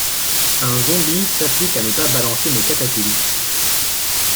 Un zombie s'applique à ne pas balancer mes catapultes.